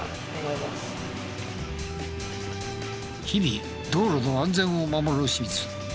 日々道路の安全を守る清水。